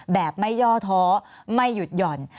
แบบไม่ย่อท้อไม่หยุดหย่อน